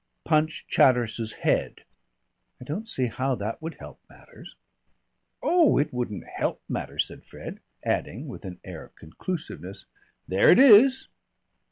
"Punch Chatteris's head." "I don't see how that would help matters." "Oh, it wouldn't help matters," said Fred, adding with an air of conclusiveness, "There it is!"